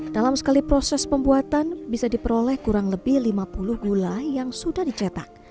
dalam sekali proses pembuatan bisa diperoleh kurang lebih lima puluh gula yang sudah dicetak